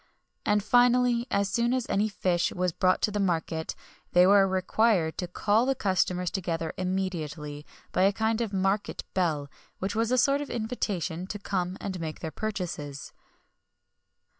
[XXI 13] And finally, as soon as any kind of fish was brought to market, they were required to call the customers together immediately, by a kind of market bell, which was a sort of invitation to come and make their purchases.